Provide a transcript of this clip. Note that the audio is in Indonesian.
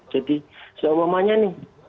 jadi seumumnya nih